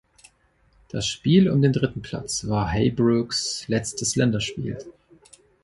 Das Spiel um den dritten Platz war Heijbroeks letztes Länderspiel.